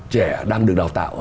trẻ đang được đào tạo